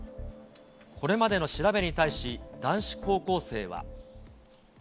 これまでの調べに対し、男子高校生は。